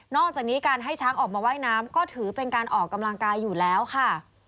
อกจากนี้การให้ช้างออกมาว่ายน้ำก็ถือเป็นการออกกำลังกายอยู่แล้วค่ะ